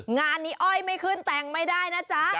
งานนี้อ้อยไม่ขึ้นแต่งไม่ได้นะจ๊ะ